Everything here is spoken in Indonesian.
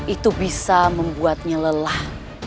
itu bisa membuatnya lelah